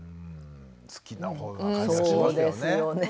好きな方の感じがしますよね。